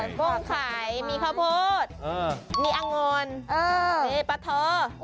นี่มีเบบฟิตคาโร